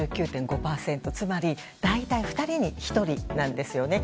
つまり大体２人に１人なんですね。